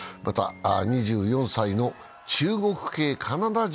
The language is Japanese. ２４歳の中国系カナダ人